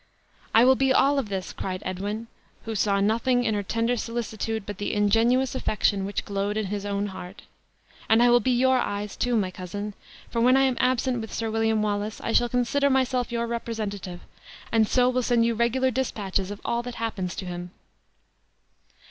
"I will be all this," cried Edwin, who saw nothing in her tender solicitude but the ingenuous affection which glowed in his own heart; "and I will be your eyes, too, my cousin; for when I am absent with Sir William Wallace I shall consider myself your representative, and so will send you regular dispatches of all that happens to him."